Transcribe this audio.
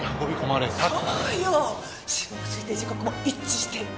死亡推定時刻も一致してる。